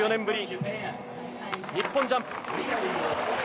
ぶり日本ジャンプ。